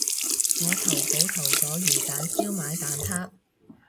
我投稿投咗魚蛋燒賣蛋撻